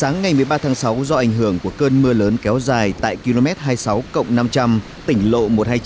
sáng ngày một mươi ba tháng sáu do ảnh hưởng của cơn mưa lớn kéo dài tại km hai mươi sáu cộng năm trăm linh tỉnh lộ một trăm hai mươi chín